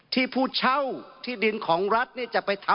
ที่ผู้เช่าที่ดินของรัฐจะไปทำอะไรก็ได้